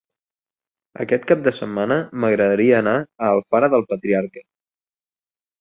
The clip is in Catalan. Aquest cap de setmana m'agradaria anar a Alfara del Patriarca.